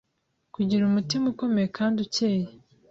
kugira umutima ukomeye kandi ukeye: